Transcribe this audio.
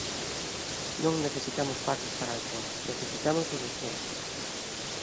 Non necesitamos parches para Alcoa; necesitamos solucións.